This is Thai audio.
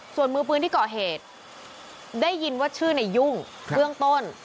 ส่วนมือปืนที่ก่อเหตุได้ยินว่าชื่อในยุ่งเบื้องต้น